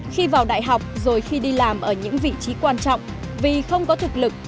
khi vào đại học rồi khi đi làm ở những vị trí quan trọng vì không có thực lực